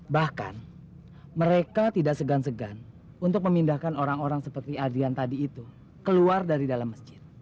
bahkan mereka tidak segan segan untuk memindahkan orang orang seperti adrian tadi itu keluar dari dalam masjid